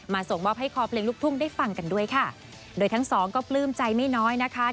ส่งมอบให้คอเพลงลูกทุ่งได้ฟังกันด้วยค่ะโดยทั้งสองก็ปลื้มใจไม่น้อยนะคะ